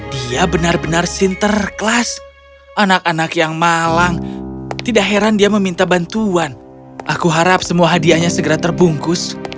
dia benar benar sinterklas anak anak yang malang tidak heran dia meminta bantuan aku harap semua hadiahnya segera terbungkus